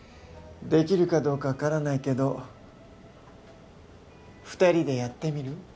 できるかどうか分からないけど２人でやってみる？